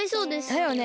だよね。